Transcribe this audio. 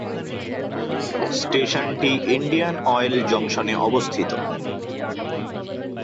স্টেশনটি Indian Oil জংশনে অবস্থিত।